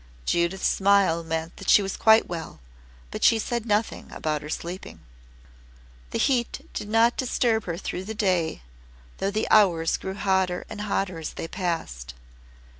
Judith's smile meant that she was quite well, but she said nothing about her sleeping. The heat did not disturb her through the day, though the hours grew hotter and hotter as they passed.